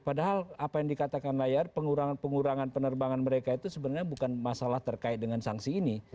padahal apa yang dikatakan layar pengurangan pengurangan penerbangan mereka itu sebenarnya bukan masalah terkait dengan sanksi ini